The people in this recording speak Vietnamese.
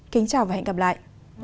kính chào và hẹn gặp lại